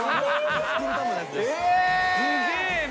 すげえな。